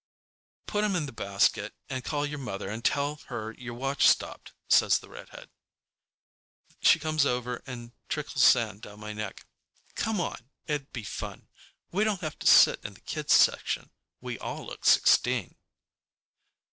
"Put him in the basket and call your mother and tell her your watch stopped," says the redhead. She comes over and trickles sand down my neck. "Come on, it'd be fun. We don't have to sit in the kids' section. We all look sixteen."